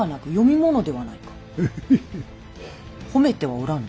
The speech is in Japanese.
褒めておらぬ。